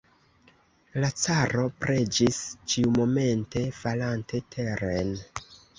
La caro preĝis, ĉiumomente falante teren.